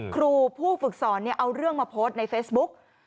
ครูผู้ฝึกสอนเอาเรื่องมาโพสต์ในเฟซบุ๊ก